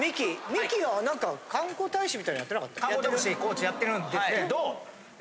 ミキは何か観光大使みたいなやってなかった？